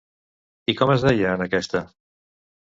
I com es deia en aquesta?